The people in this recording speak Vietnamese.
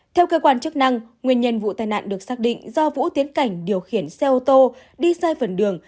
theo cơ quan chức năng nguyên nhân vụ tai nạn được xác định do vũ tiến cảnh điều khiển xe ô tô đi sai phần đường